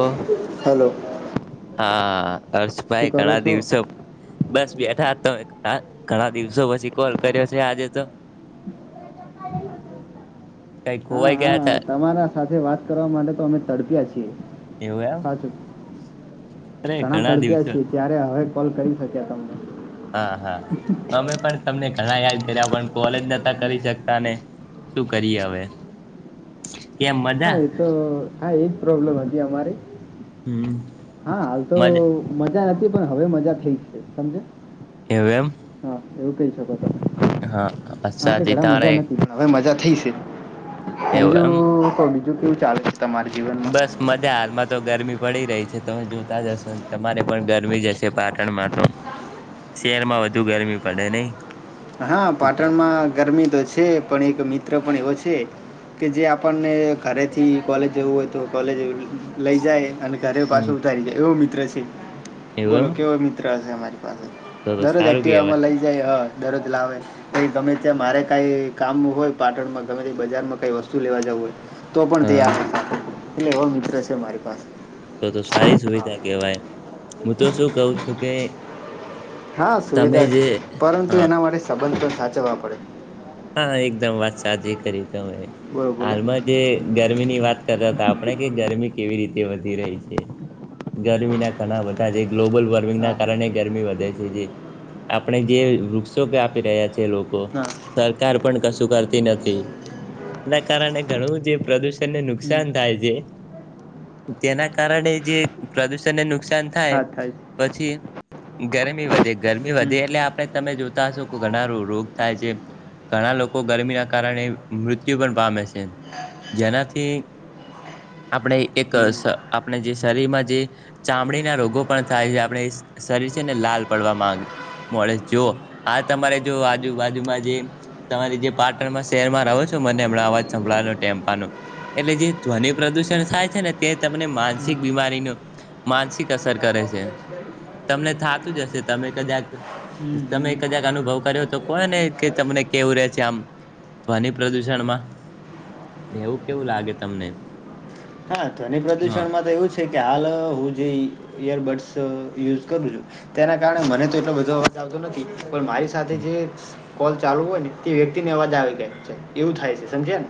ઓ hello. હા શું હર્ષભાઈ કરો ઘણા છો દિવસો બસ બેઠા તમે આ ઘણા દિવસો પછી કોલ કર્યો છે, આજે તો કંઈ હા ખોવાય હા ગયા હતા તમારા સાથે વાત કરવા માટે તો અમે તડપ્યા છીએ એવું એમ સાચું અરે ઘણા તડપ્યા દિવસો છી, ત્યારે હવે કોલ કરી શક્યા તમે હા, હા અમે પણ તમને ઘણા, યાદ કર્યા પણ કોલેજ નતા કરી શકતા ને, શું કરીએ હવે કેમ મજા હા, એ તો હા એજ પ્રોબ્લેમ હતી, અમારી હમ હા હાલ તો મજા મજા નથી પણ હવે મજા થઈ જ છે, તમને? એવ એમ હા એવું કહી શકો તમે હા તે સાચી ઘણા તારે મજા નથી હવે મજા થઈ છે એવું એમ બીજું ક બીજું કેવું ચાલે? તમારા જીવનમાં બસ મજા હાલમાં તો ગરમી પડી રહી છે તમે જોતા જ હશો તમારે પણ ગરમી જ હશે પાટણમાં તો શહેરમાં વધુ ગરમી પડે નય હા પાટણમાં ગરમી તો છે, પણ એક મિત્ર પણ એવો છે. છે કે જે આપણને ઘરેથી કોલેજ જવું હોય તો કોલેજ લઈ જાય અને ઘરે પાછો હમ ઉતારી જાય એવો મિત્ર છે, એવું બોલો એમ કેવો મિત્ર હશે અમારી તો તો દરરોજ સારું એક્ટિવામાં કેહેવાય લઈ જાય હ દરરોજ લાવે કઈ ગમે ત્યાં મારે કાઈ કામ હોય પાટણમાં ગમે તે બજારમાં કઈ વસ્તુ લેવા જવું હોય તો પણ તે હા આપણી સાથે એટલે એવો મિત્ર છે, મારી પાસે તો તો સારી હા સુવિધા કેહેવાય હું તો શું કઉ છું કે હા તમે સુવિધા છે, જે પરંતુ હા એના માટે સંબંધ પણ સાચવવા પડે હા એકદમ વાત સાચી કરી તમે બોલો બોલો હાલમાં જે ગરમીની વાત કરતા હતા આપણે કે ગરમી કેવી રીતે વધી રહી છે, ગરમીના ઘણા બધા છે, ગ્લોબલ વોર્મિંગના હા કારણે ગરમી વધે છે જે આપણે જે વૃક્ષો કાપી રહ્યા છે, લોકો હા તાર પણ કશું કરતી નથી એના કારણે ઘણું જે પ્રદૂ ષણને હમ નુકસાન થાય છે, તેના કારણે જે પ્રદુષણને નુક સાન થાય પછી ગરમી વધે ગરમી છે હમ. વધે એટલે આપણે તમે જો તાસો ઘના રો રોગ થાય છે. ઘણા લોકો ગરમીના કારણે મૃત્યુ પણ પામે છે. જેનાથી. આપણે એક હમ. આપણે જે શરીરમાં જે ચામડીના રોગો પણ થાય છે, આપણે શરીર છે ને લાલ પડવા માંગે મળે જો આ તમારે જો આજુબાજુમાં જે તમારી જે પાટણ શહેરમાં રહો છો મને હમણાં અવાજ સંભળાવેનો ટેમ્પાનો એટલે જે ધ્વનિ પ્રદુષણ થાય છે ને, તે તમને માનસિક હમ, બીમારીનું માનસિક અસર કરે છે. તમને થાતું જ હશે. તમે કદાક તમે હમ. કદાક અનુભવ કર્યો તો કો ને કે તમને કેવું રે છે, આમ ધ્વનિ પ્રદૂષણમાં? રેવું કેવું લાગે તમને? હા ધ્વનિ હા પ્રદુષણ માં તો એવું છે કે હાલ હું જે ઈયરબડ્સ યુઝ કરું છું તેના કારણે મને તો એટલો બધો અવાજ આવતો નથી પણ મારી સાથે જે કોલ ચાલુ હોય ને તે વ્યક્તિ ને અવાજ આવી ગાય એવું થાય છે સમજ ને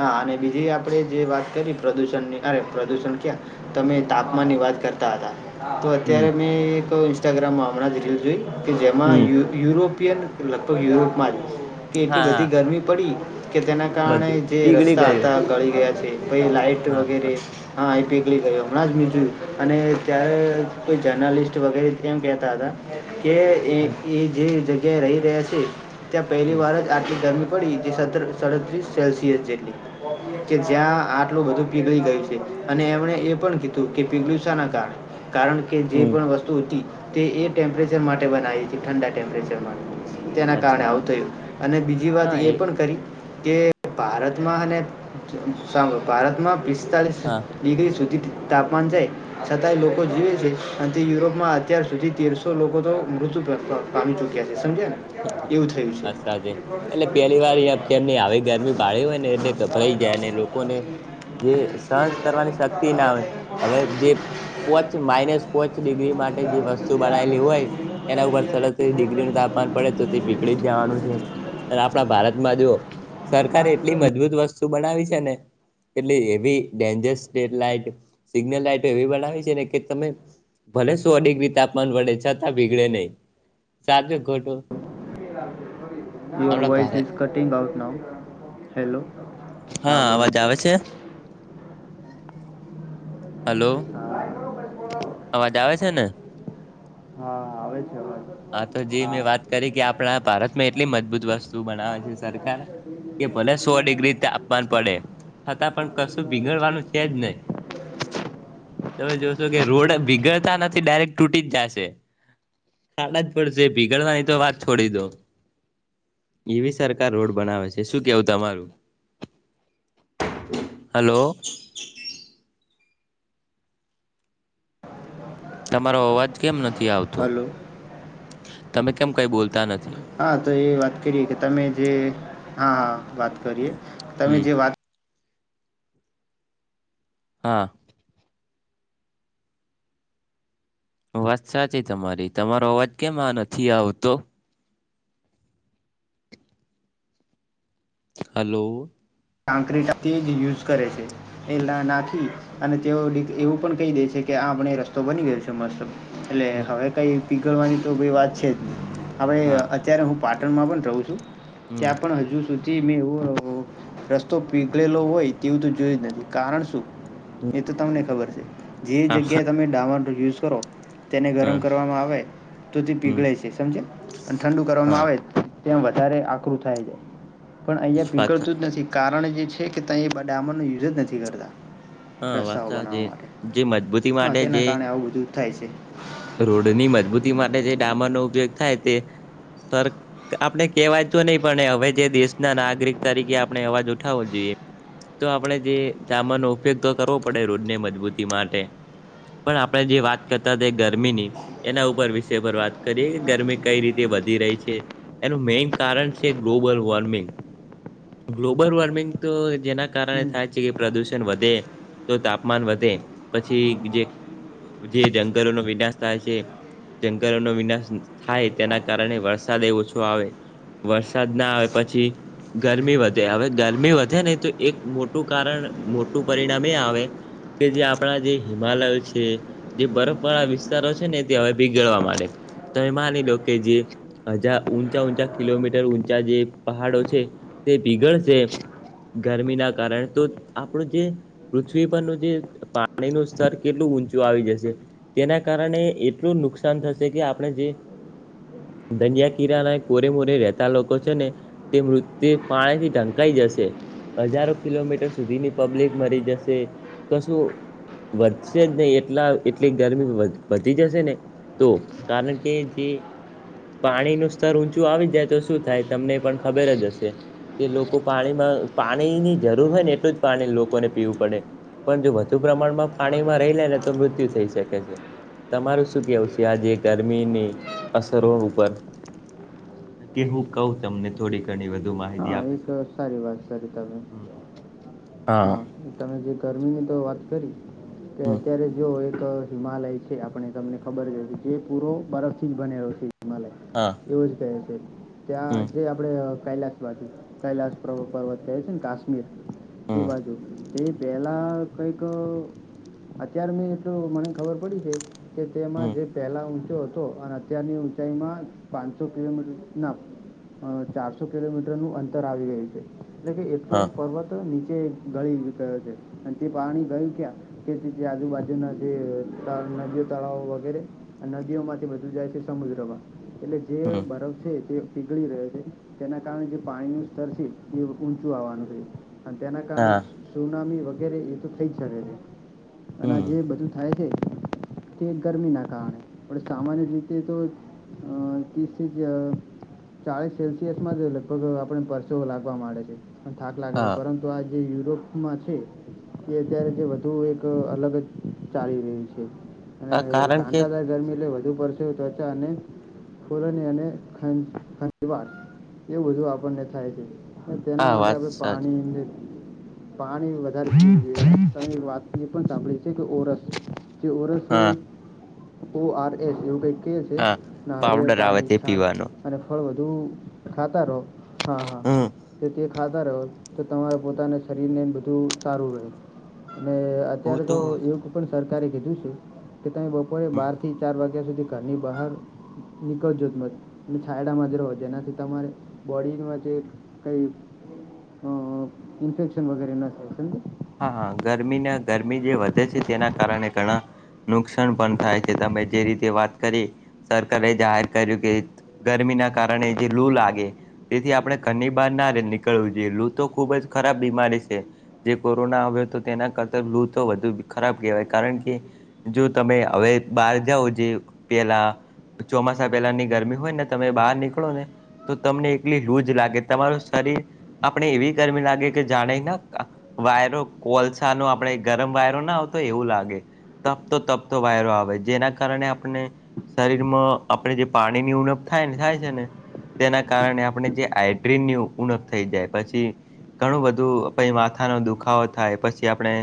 હા અને બીજી આપડે જે વાત કરી પ્રદુષણ અરે પ્રદુણ ક્યા તમે તાપમાન ની વાત કરતા હતા તો હમ અત્યારે મેં એક ઇન્સ્ટાગ્રામ હમણાં જ રીલ જોઈ કે હમ. જેમાંયુ યુરોપ લગભગ યુરોપમાં જ કે હા એટલી હા બધી ગરમી પડી કે તેના કારણે બધું જે પીગળી રસ્તા હતા ગયું ગળી ગયા છે પ લાઈટ હા. હા વગેરે આઈપીએ ગયો હમણાં જ મ્યુ અને ત્યારે કોઈ જર્નાલિસ્ટ વગેરે કેમ કેતા હતા કે હમ એ જે જગ્યાએ રહી રહ્યા છે ત્યાં પહેલી હમ વાર જ આથીિક ગરમી પ સડત્રીસ સેલ્સિયસ જેટલી કે જ્યાં આટલું બધું પીગળી ગઈ છે અને એમણે એ પણ કીધું કે પીગળું [unintelligible] કારણે કારણ કે જે હમ. પણ વસ્તુ હતી તે એ ટેમ્પરેચર માટે બનાવી હતી ઠંડા ટેમ્પરેચર માટે તેના કારણે આવું અચ્છા થયું અને બીજી વાત એ પણ કરી કે ભારતમાં અને સા ભારતમાં પિસ્તાલીસ હા. ડિગ્રી સુધી તાપમાન જાય છતાંય લોકો જીવે છે. અન તે યુરોપમાં અત્યાર સુધી તેરસો લોકો તો મૃત પ-પ-પામી ચુક્યા છે. સમજ્યા ને એવું થયું છે. વાત સાચી એટલે પેલી વાર તેમની આવી ગરમી પાડી હોય ને એટલે ગભરાઈ જાય ને લોકોને જે સહસ કરવાની શક્તિ ના આવે હવે જે પોચ માઇનસ પોચ ડિગ્રી માટે જે વસ્તુ બનાલી હોય એના ઉપર સરસિગ્રી પડે તો તે બીગળી જ યોર જવાનું છે અને આપણા ભારતમાં જો સરકારે એટલી મજબૂત વસ્તુ બનાવી છે ને એટ એવી ડેન્જસ લાઈટ સિગ્નલ લાાઈટ એવી બનાવી છે ને કે તમે ભલે સો ડિગ્રી તાપમાન વડે છતાં બીગડે નહી સાચો હ યુર આપણા voice Bharat is cutting out now hello હા બોલો અવાજ બોલોલો આવે છે હલો હા અવાજ આવે છે ને હા આવે છે હવે હા તો જે મેં વાત કરી કે આપણા ભારતમાં એટલી મજબૂત વસ્તુ બનાવે છે સરકાર કે એ સો ડિગ્રી તાપમાન પડે છતાં પણ કશું ભીગડવાનું છે જ નહી [inaudible] તમે જોશો કે રોડ બીગડતા નથી ડાયરેક્ટ તૂટી જ જશે ખાડા જ પડશે ભીગળવાની તો વાત છોડી દો એઈવી સરકાર રોડ બનાવે છે શું કેવું તમારું હલો તમારો અવાજ કેમ નથી આવતો હલો તમે કેમ કઈ બોલતા નથી હા તો એ વાત કરીએ કે તમે જે હા હા વાત કરીએ તમે હમ જે વાત હા વાત સાચી તમારી તમારો અવાજ કેમ આ નથી આવતો હલો કાંકટ તે જ યુઝ કરે છે એ નાખી અને તેઓ એવું પણ કહી દે છે કે આપણે એ રસ્તો બની ગયો છે મસ્ત એટલે હમ. હવે કઈ પીગળવાની તો વાત છે જ હવે હા અત્યારે હું પા પાટણમાં પણ રહું છું હમ ત્યાં પણ હજુ સુધી મે એવું રસ્તો પીગળેલો હોય તેવું તો જોય જ નથી કારણ શું એ તો તમને ખબર છે જે હા હ જગ્યાએ તમે ડામર યુઝ કરો તેને ગરમ કરવામાં આવે તો તે હમ પીગળાય શે સમજ્યા? અન ઠંડુ કરવામાં હા. આવે તેમ વધારે આકરું થાય જાય, પણ અહીંયા પીગળતું જ નથી. કારણ જે છે કે તઈ બ ડામરનો યુઝ જ નથી કરતા. હા રસ્તાઓ વાસા જે બનાવા માટે. જે મજબૂતી હન, માટે તેના જે કારણે આવું બધું થાય છે. રોડની મજબૂતી માટે જે ડામરનો ઉપયોગ થાય તે સર, આપણે કેવાય તો નઈ પણ હવે જે દેશના નાગરિક તરીકે આપણે અવાજ ઉઠાવો જોઈએ. તો આપડે જે ટામરનો ઉપયોગ તો કરવો પડે રોડ ને મજબૂતી માટે. પણ આપણે જે વાત કરતા તા ગરમીની એના ઉપર વિષય પર વાત કરીએ ગરમી કઈ રીતે વધી રહી છે એનું મેઈન કારણ છે ગ્લોબલ વર્મિંગ. ગ્લોબલ વોર્મિંગ તો જેના કારણે હમ થાય છે કે પ્રદુષણ વધે તો તાપમાન વધે પછી જે જે જંગલોનો વિનાશ થાય છે. જંગલોનો વિનાશ થાય તેના કારણે વરસાદ એ ઓછો આવે વરસાદ ના આવે પછી ગરમી વધે હવે ગરમી વધે ને તો એક મોટું કારણ મોટું પરિણામ એ આવે કે જે આપણા જે હિમાલયો છે જે બરફ પણ આ વિસ્તારો છે ને ત્યા હવે ભીગાડવા માટેડે તમે માની લો કે જે હજાર ઊંચા ઊંચા કિલોમીટર ઊંચા જે પહાડો છે તે પીગળ છે ગરમી ના કારણે તો આપણું જે પૃથ્વી પરનું જે પાણીનું સ્તર કેટલું ઊંચું આવી જશે. તેના કારણે એટલું નુકસાન થશે કે આપણે જે દનિયા કિરાના કોરે મોરે રેતા લોકો છે ને તે મૃત્યે પાણી થી ઢંકાઈ જા રેશે. હજારો કિલોમીટર સુધીની પબ્લિક મરી જશે. તો શું વધશે જ નઈ એ [unintelligible] એટલી ગરમી વધ વધી જશે ને તો કારણ કે જે પાણીનુ સ્તર ઊંચું આવી જાય તો શું થાય? તમને પણ ખબર જ હશે કે લોકો પાણીમાં અ પાણીની જરૂર હોય ને એટલું જ પાણી લોકોને પીવું પડે. પણ જો વધુ પ્રમાણમાં પાણીમાં રઈ લે ને તો મૃત્યુ થઈ શકે છે. તમારું શું કેવું છે? આજે ગરમીની અસરો ઉપર. કે હું કઉ તમને થોડી ઘણી વધુ માહિ હા એક સારી વાત કરી તમે. હા હન, તમે જે ગરમીની તો વાત કરી કે હમ અત્યારે જો એક હિમાલય છે, આપણે તમને ખબર જ હશે. જે પૂરો બર્ફથી જ બનેલો છે હિમાલય. હા એવું જ કહે છે. ત્યાં હમ જે આપડે કૈલાસ બાજુ, કૈલાસ પ્ર-પર્વત કહે છે ન. કાશ્મીર તે હમ બાજુ જોઈલા કઈક અત્યાર મે એક મને ખબર પડી છે કે, તેમાં હમ જે પહેલા ઊંચો હતો અન અત્યારબી ઊ ચાઈમાં પાનસો કિલોમીટ ના અ ચારસો કિલોમીટરનું અંતર આવી ગયું છે. એટલે કે એક તો હા પર્વત ની ચે ઢળી ગયો છે. અન તે પાણી કઈ [unintelligible] તે આજુબાજુના જે નદીઓ તળાવો વગેરે નદીઓ માંથી બધું જાય છે સમુદ્રમાં. એટલે જે હમ બરફ છે, તે પીગળી રહ્યો છે. તેના કારણે જે પાણીનું સ્તર છે એ ઊંચું આવાનું છે. અન તેના કારણે હા સુ-સુનામી વગેરે એ તો થઈ શકે છે. અન આ હમ જે બધું થાય છે કે ગરમીના કારણે, પણ સામાન્ય રીતે તો અ ત્રીસ થી ચ ચાલીસ સેલ્સિયસમાં જ લગભગ આપણે પરસો લાગવા માંડે છે. [unintelligible] થાક લાગે છે. હા પરંતુ આજ જે યુરોપમાં છે, તે અત્યારે તો વધુ એક અલગ જ ચાલી રહ્યું છે. અને હા કારણ કે કાંટાદાય ગરમી એટલે વધુ પડતી ત્વચા અને ફરની અને ખંજ ખંજવાળ એવું બધું આપણને થાય છે. અહ તેના હા માટે વાત આપડે સાચી પાણી [unintelligible] પાણી વધારે [inaudible] તમે એ વાત ની પણ સાંભળી છે કે ઓરસ જે ઓરસ હા ઓ આર એસ એવું કાઈક કહે છે. હા નારિયેલ પાવડર આવે પાણી, તે છાસ પીવાનો અને ફળ વધું ખાતા રહો, હા, હા. હમ જે તે ખાતા રહો તો તમારે પોતાના શરીરને બધું સારું રહે. અને અત્યારે તો એવું પણ સરકારે કીધું છે કે તમે બપોરે બાર થી ચાર વાગ ગ્યા સુધી ઘરની બહાર નીકળજો જ મત. છાયડામાં જ રહો. જેનાથી તમારે બોડીનો આ જે કંઈ અહ ઈન્ફેક્શન વગેરે ન થાય સમજ્યા. હા, હા. ગરમીના ગરમી જે વધે છે તેના કારણે ઘણા નુકસાન પણ થાય છે. તમે જે રીતે વાત કરી સરકારે જાહેર કર્યું કે, ગરમીના કારણે જે લૂ લાગે તેથી આપણે ઘરની બાર ના રે નીકળવું જોઈએ. લુ તો ખુબ જ ખરાબ બીમારી છે. જે કોરોના આવે તો તેના કરતા લુ તો વધુ ખરાબ કહેવાય. કારણ કે જો તમે હવે બા બાર જાવ જે પેલા, ચોમાસા પેલાની ગરમી હોય ને તમે બહાર નીકળો ને તો તમને એકલી લું જ લાગે, તમારું શરીર આપણે એવી ગરમી લાગે કે જાણે ના વાયરો કોલસાનો આપણે ગરમ વાયરો ના આવતો હોય એવું લાગે. તપતો-તપતો વાયરો આવે, જેના કારણે આપણને શરીર મ આપણે જે પાણીની ઉણપ થાય ને થાય છે ને તેના કારણે આપણને જે હાઇડ્રીનની ઉ ઉણપ થઈ જાય પછી ઘણું બધું પહી વા થાનો દુખાવો થાય, પછી આપણે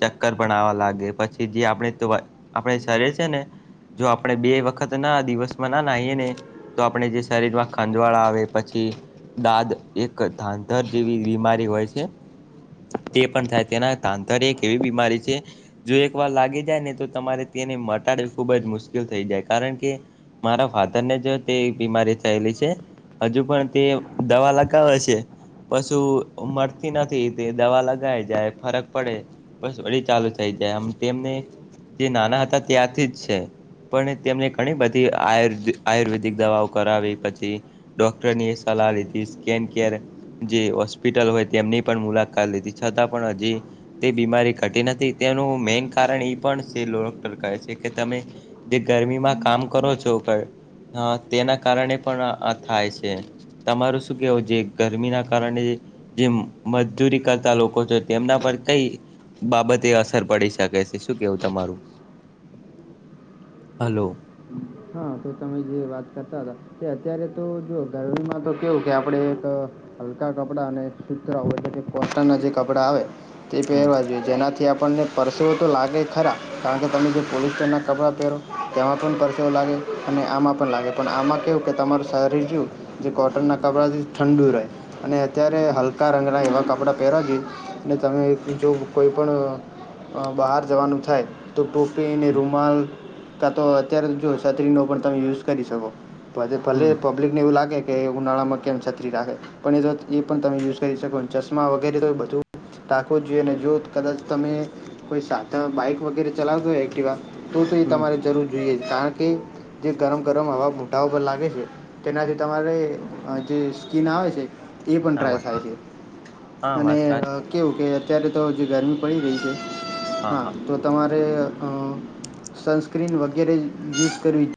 ચક્કર પણ આવા લાગે, પછી જે આપણે [unintelligible] આપણે શરીર છે ને જો આપણે બે વખત ના દિવસમાં ના નાહીએ ને તો આપણે જે શરીરમાં ખંજવાળ આવે પછી દાદ એક ધાધર જેવી બીમારી હોય છે તે પણ થાય, તેના તાંતર એક એવી બીમારી છે જો એક વાર લાગી જાય ને તો તમારે તેને મટાડવી ખુબ જ મુશ્કેલ થઈ જાય, કારણ કે મારા ફાધર ને જો તે બીમારી થયેલી છે. હજુ પણ તે દવા લગાવે છે, પશુ મડતી નથી. તે દવા લગાવી જાય, ફરક પડે બસ, વળી ચાલુ થઈ જાય આમ તેમને તે નાના હતા ત્યાંથી જ છે. પણ તેમને ઘણી બધી આયર આયુર્વેદિક દવાઓ કરાવી, પછી ડોક્ટરની સ લાહ લીધી, સ્કેન કેર જે હોસ્પિટલ હોય તેમની પણ મુલા કાત લીધી, છતાં પણ હજી તે બીમારી ઘટી નથી. તેનું મેન કારણ ઈ પણ છે ડોક્ટર કહે છે કે તમે જે ગરમીમાં કામ કરો છો ઉપર અહ તેના કારણે પણ આ થાય છે. તમારું શું કેવું છે ગરમી ના કારણે જે મજ જૂરી કરતા લોકો છે તેમના પર કઈ બાબતે અસર પડી શકે છે, શું કેવું તમારું? [inaudible] હલો. હા તો તમે જે વાત કરતા હતા, તે અત્યારે તો જો ગરમીમાં તો કેવું કે આપણે એક હલકા કપડાં અને સુતરાઉ એટલે કે કોટન ના જે કપડાં આવે તે હમ પહેરવા જોઈએ. જેનાથી આપણને પરસેવો તો લાગે ખરા, કારણ કે તમે જે પોલીસ્ટર નાં કપડાં પહેરો તેમાં પણ પરસેવો લાગે. અને આમાં પણ લાગે, પણ આમાં કેવું કે તમારું શરીર રહ્યું, જે કોટન ના કપડાથી ઠંડુ રહે. અને અત્યારે હલકા રંગના એવાં કપડાં પહેરવા જોઈ અને તમે એક જો કોઈ પણ અહ અહ બહાર જવાનું થાય તો ટૂ પી અને રૂમાલ, કાં તો અત્યારે જો છતરીનો પણ તમે યુઝ કરી શકો. પછી ભલે, પબ્લિકને એવું લાગે કે ઉનાળામાં કેમ છત્રી રાખે પણ એ એ પણ તમે યુઝ કરી શકો ચશ્મા વગેરે તો એ બધું રાખવો જ જોઈએ અને જો કદાચ તમે કોઈ સાત બાઈક વગેરે ચલાવતો હોય એક્ટવા તો તો એ હમ તમારે જરૂર જોઈએ. કારણ કે જે ગરમ ગરમ હવા પૂઠા ઉપર લાગે છે. તેનાથી તમારે જે સ્કીન થાય છે. એ પણ હા ટ્રાય વાત થાય છે સાચી હા અને વાત સાચી કેવું કે, અત્યારે તો જે ગરમી પડી રહી છે. હા, તો તમારે અ સનસ્ક્રીન વગેરે યુઝ કરવી